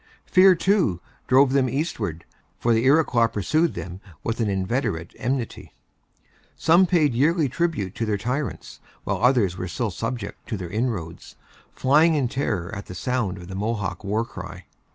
Fear, too, drove them eastward; for the Iroquois pursued them with an inveterate enmity. Some paid yearly tribute to their tyrants, while others were still subject to their inroads, flying in terror at the sound of the Mohawk war cry.